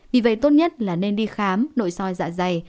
vì vậy tốt nhất là nên đi khám nội soi dạ dày